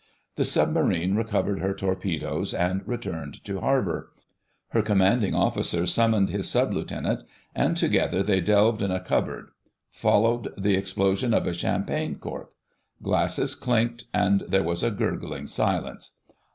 The Submarine recovered her torpedoes and returned to harbour. Her Commanding Officer summoned his Sub Lieutenant, and together they delved in a cupboard; followed the explosion of a champagne cork. Glasses clinked, and there was a gurgling silence.